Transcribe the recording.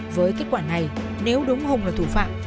với kết quả này nếu đúng hùng là thủ phạm